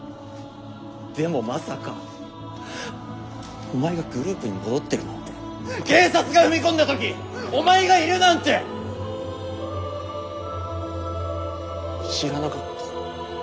でもまさかお前がグループに戻ってるなんて警察が踏み込んだ時お前がいるなんて知らなかった。